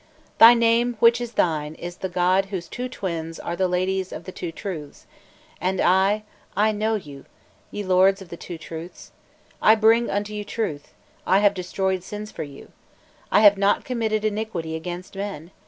Thy name which is thine is 'the god whose two twins are the ladies of the two Truths;' and I, I know you, ye lords of the two Truths, I bring unto you Truth, I have destroyed sins for you. I have not committed iniquity against men!